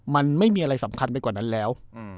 มันไม่มีอะไรสำคัญไปกว่านั้นแล้ว